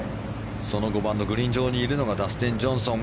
その５番のグリーン上にいるのがダスティン・ジョンソン。